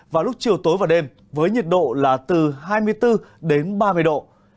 vào lúc chiều tối và đêm với nhiệt độ là từ hai mươi bốn đến ba mươi độ